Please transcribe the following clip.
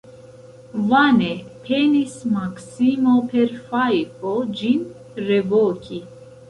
Vane penis Maksimo per fajfo ĝin revoki.